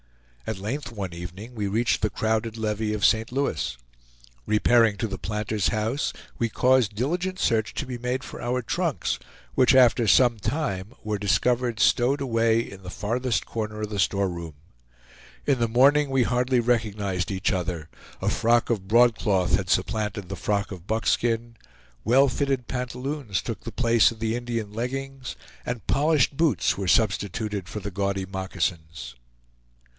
At length one evening we reached the crowded levee of St. Louis. Repairing to the Planters' House, we caused diligent search to be made for our trunks, which after some time were discovered stowed away in the farthest corner of the storeroom. In the morning we hardly recognized each other; a frock of broadcloth had supplanted the frock of buckskin; well fitted pantaloons took the place of the Indian leggings, and polished boots were substituted for the gaudy moccasins.